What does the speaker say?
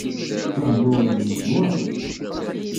Lehdur-im, d ddwa!